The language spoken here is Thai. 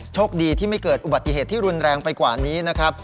โชคดีที่ไม่เกิดอุบัติเหตุที่รุนแรงไปกว่านี้นะครับ